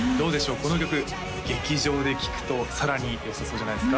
この曲劇場で聴くとさらによさそうじゃないですか？